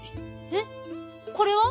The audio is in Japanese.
えっこれは？